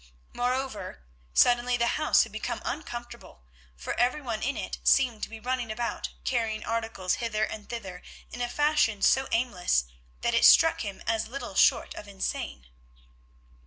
Moreover, suddenly the house had become uncomfortable, for every one in it seemed to be running about carrying articles hither and thither in a fashion so aimless that it struck him as little short of insane.